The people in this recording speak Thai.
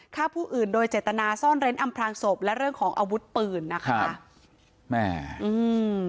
ฆ่าผู้อื่นโดยเจตนาซ่อนเร้นอำพลางศพและเรื่องของอาวุธปืนนะคะแม่อืม